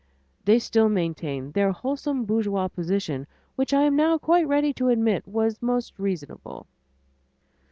They still maintained their wholesome bourgeois position, which I am now quite ready to admit was most reasonable.